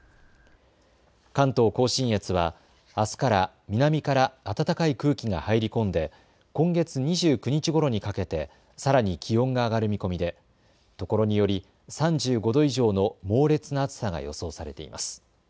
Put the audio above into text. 関東甲信越はあすから南から暖かい空気が入り込んで今月２９日ごろにかけてさらに気温が上がる見込みでところにより３５度以上の猛烈な暑さが予想されています。